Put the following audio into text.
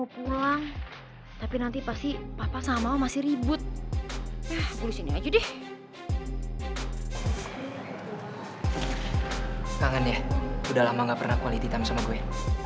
kangen ya udah lama gak pernah quality time sama gue